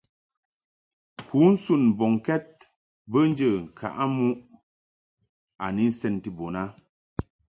Kunsun mbɔŋkɛd be njə ŋkaʼɨ muʼ a ni nsenti bun a.